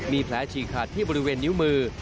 มีแผลฉีกขาดที่บริเวณนิ้วมือ